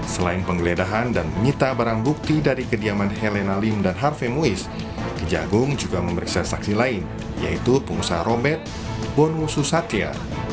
selain penggeledahan dan menyita barang bukti dari kediaman helena lim dan harvem wais kejagung juga memeriksa saksi lain yaitu pengusaha robert bonu susatya